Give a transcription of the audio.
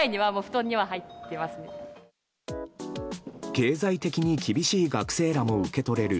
経済的に厳しい学生らも受け取れる